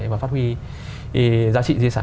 và phát huy giá trị di sản